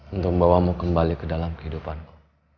untuk membawamu kembali ke dalam kehidupanku